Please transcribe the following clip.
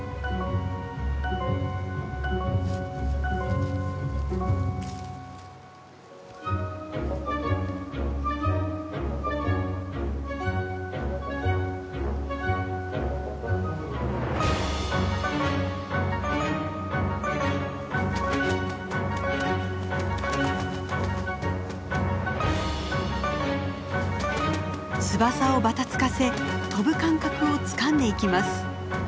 翼をばたつかせ飛ぶ感覚をつかんでいきます。